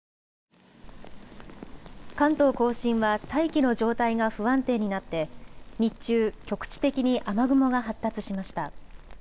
関東甲信は大気の状態が不安定になって日中、局地的に雨雲が発達しました。